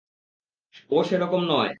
ও সেরকম নয়।